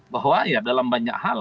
bahwa ya dalam banyak hal